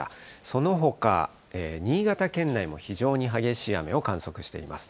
そのほか新潟県内も非常に激しい雨を観測しています。